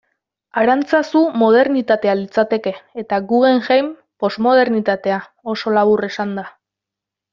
Arantzazu modernitatea litzateke, eta Guggenheim, posmodernitatea, oso labur esanda.